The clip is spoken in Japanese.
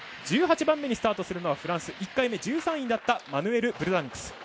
１８番目にスタートするのがフランス１回目、１３位だったマヌエル・ブルダンクス。